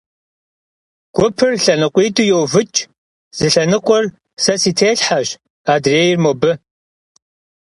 Гупыр лъэныкъуитӀу йоувыкӀ, зы лъэныкъуэр сэ си телъхьэщ, адрейр — мобы.